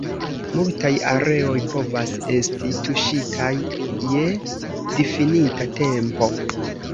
Multaj areoj povas esti tuŝitaj je difinita tempo.